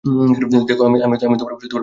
দেখো, আমি তোমার পুরো দিন নষ্ট করতে চাই না।